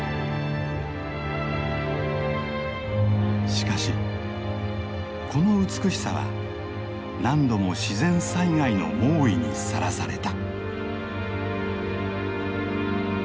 しかしこの美しさは何度も自然災害の猛威にさらされた。